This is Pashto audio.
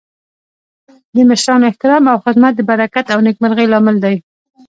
د مشرانو احترام او خدمت د برکت او نیکمرغۍ لامل دی.